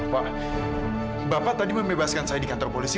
pak bapak tadi membebaskan saya di kantor polisi